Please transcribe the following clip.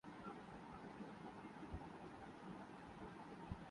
کروڑوں بچے ہر روزسکول جا تے ہیں۔